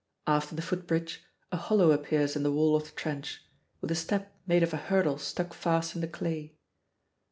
After the footbridge, a hollow appears in the wall of the trench, with a step made of a hurdle stuck fast in the clay.